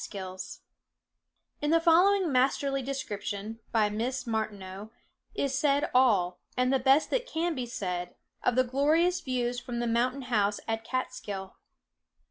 In the following masterly description, by Miss Martineau, is said all, and the best that can be said, of the glorious view from the Mountain House at Catskill.